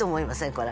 これ。